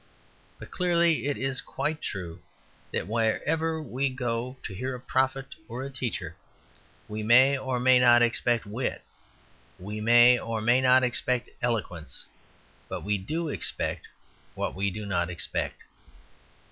But clearly it is quite true that whenever we go to hear a prophet or teacher we may or may not expect wit, we may or may not expect eloquence, but we do expect what we do not expect.